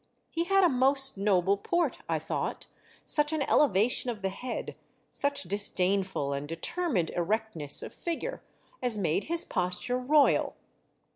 He had a most noble port, I thought, such an elevation of the head, such disdainful and determined erectness of figure, as made his posture royal.